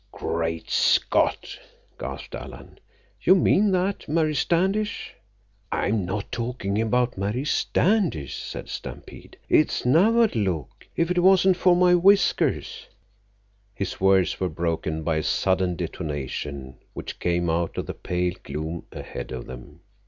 "Great Scott!" gasped Alan. "You mean that Mary Standish—" "I'm not talking about Mary Standish," said Stampede. "It's Nawadlook. If it wasn't for my whiskers—" His words were broken by a sudden detonation which came out of the pale gloom ahead of them.